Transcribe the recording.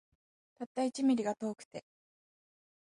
たった一ミリが遠くて